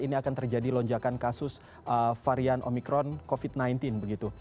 ini akan terjadi lonjakan kasus varian omikron covid sembilan belas begitu